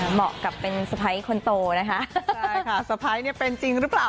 เหมาะกับเป็นสะพ้ายคนโตนะคะใช่ค่ะสะพ้ายเนี่ยเป็นจริงหรือเปล่า